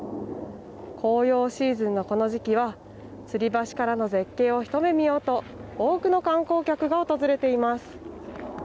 紅葉シーズンの、この時期はつり橋からの絶景を一目見ようと多くの観光客が訪れています。